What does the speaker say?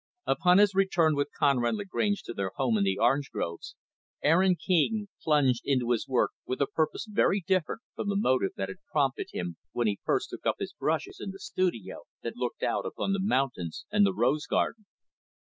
Upon his return with Conrad Lagrange to their home in the orange groves, Aaron King plunged into his work with a purpose very different from the motive that had prompted him when first he took up his brushes in the studio that looked out upon the mountains and the rose garden.